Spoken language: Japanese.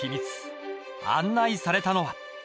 案内されたのは。